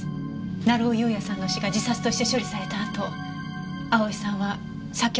成尾優也さんの死が自殺として処理されたあと蒼さんは左京西署を何度も訪れて。